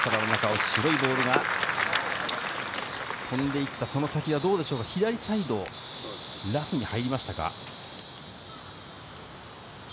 青い空の中を白いボールが飛んでいったその先はどうでしょう、左サイドのラフに入りましたか？